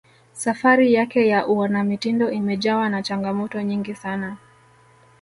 safari yake ya uanamitindo imejawa na changamoto nyingi sana